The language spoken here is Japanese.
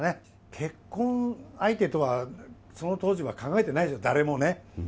結婚相手とは、その当時は考えてないでしょ、誰もね。